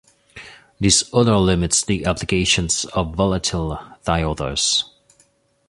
This odor limits the applications of volatile thioethers.